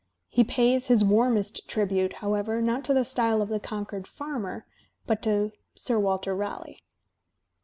He pays his warmest tribute, however, not to the style of the Concord farmer, but to — Sir Walter Raleigh.